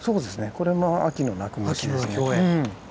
これも秋の鳴く虫ですね。